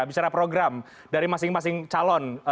bicara program dari masing masing calon